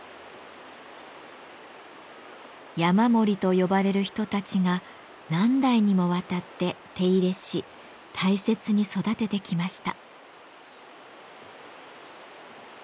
「山守」と呼ばれる人たちが何代にもわたって手入れし大切に育ててきました。